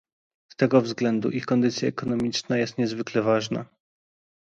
Z tego względu ich kondycja ekonomiczna jest niezwykle ważna